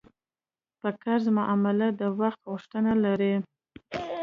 په قرض معامله د وخت غوښتنه لري.